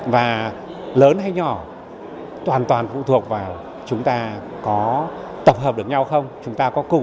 và lớn hay nhỏ toàn toàn phụ thuộc vào chúng ta có tập hợp được nhau không